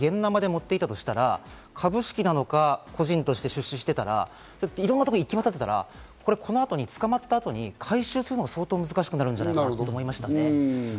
おそらくですが、現ナマで持っていたとしたら、株式なのか、個人として出資していたら、いろんなところに行き渡っていたら、この後に捕まった後に回収するのが相当難しくなるんじゃないかと思いました。